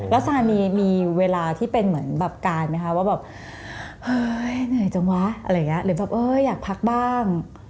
แล้วสานีมีเวลาที่เป็นเหมือนแบบการไหมคะว่าเห้ยเหนื่อยจังวะหรืออยากพักบ้าง